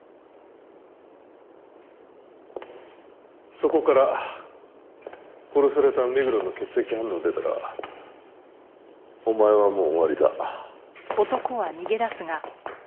そこから殺された目黒の血液反応出たらお前はもう終わりだ。